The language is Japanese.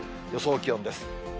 予想気温です。